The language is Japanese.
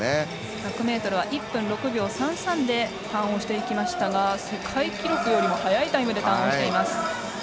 １００ｍは１分６秒３３でターンしましたが世界記録よりも速いタイムでターンしています。